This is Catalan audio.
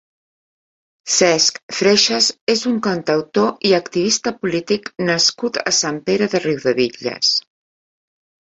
Cesk Freixas és un cantautor i activista polític nascut a Sant Pere de Riudebitlles.